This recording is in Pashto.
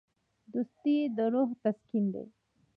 دوستي د روح تسکین دی.